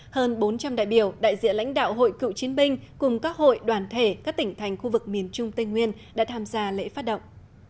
hơn bốn trăm linh đại biểu đại diện lãnh đạo hội cựu chiến binh cùng các hội đoàn thể các tỉnh thành khu vực miền trung tây nguyên đã tham gia lễ phát động